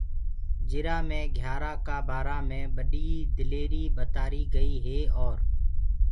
جرآ مي گھِيآرآ ڪآ بآرآ مي بڏيٚ دليريٚ ٻتآريٚ گئيٚ هي اور